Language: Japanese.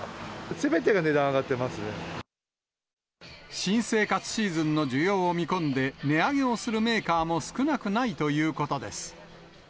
すべて新生活シーズンの需要を見込んで、値上げをするメーカーも少なくないということです。